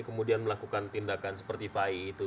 kemudian melakukan tindakan seperti fai itu